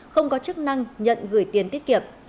không có chức năng nhận gửi tiền tiết kiệm